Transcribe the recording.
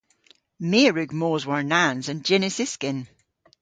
My a wrug mos war-nans an jynnys-yskyn.